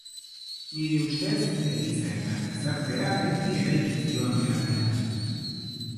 Nire ustez, Eliza eta gizartea beti eraikiz joan behar dira.